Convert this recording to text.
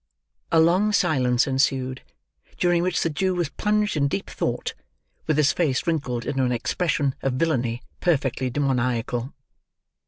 A long silence ensued; during which the Jew was plunged in deep thought, with his face wrinkled into an expression of villainy perfectly demoniacal.